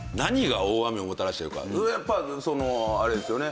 やっぱそのあれですよね